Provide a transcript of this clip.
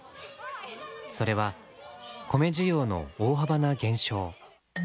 それは米需要の大幅な減少。